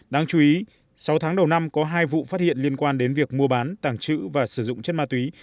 đáng chú ý sau tháng đầu năm có hai vụ phát hiện liên quan đến việc mua bán tàng trữ và sử dụng chất ma túy